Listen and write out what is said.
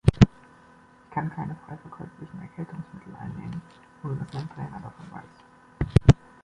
Ich kann keine freiverkäuflichen Erkältungsmittel einnehmen, ohne, dass mein Trainer davon weiß.